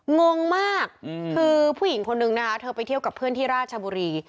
งงมากคือผู้หญิงคนนึงนะคะเธอไปเที่ยวกับเพื่อนที่ราชบุรี